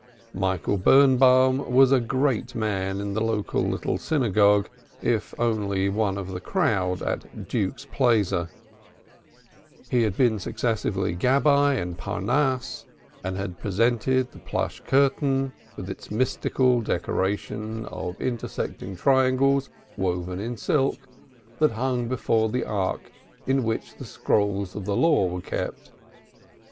Michael Birnbaum was a great man in the local little synagogue if only one of the crowd at "Duke's Plaizer." He had been successively Gabbai and Parnass, or treasurer and president, and had presented the plush curtain, with its mystical decoration of intersecting triangles, woven in silk, that hung before the Ark in which the scrolls of the Law were kept.